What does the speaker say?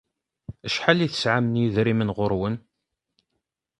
Acḥal i tesɛam n yedrimen ɣur-wen?